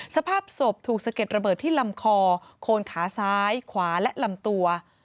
สภาพศพถูกสะเก็ดระเบิดที่ลำคอโคนขาซ้ายขวาและลำตัว